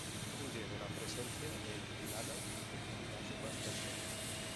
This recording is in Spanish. Huye de la presencia de Ilana y las demás personas.